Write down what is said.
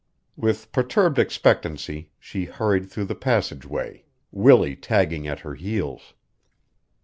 With perturbed expectancy she hurried through the passageway, Willie tagging at her heels.